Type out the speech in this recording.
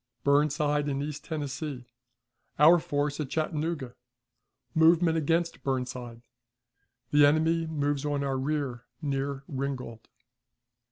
Burnside in East Tennessee. Our Force at Chattanooga. Movement against Burnside. The Enemy moves on our Rear near Ringgold.